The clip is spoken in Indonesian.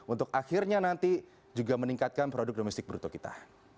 untuk akhirnya nanti juga meningkatkan produk domestik bruto kita